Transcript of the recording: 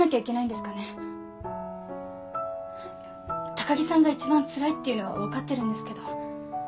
高木さんが一番つらいっていうのは分かってるんですけど。